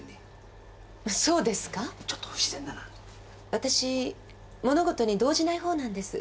わたし物事に動じないほうなんです。